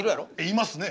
いますね。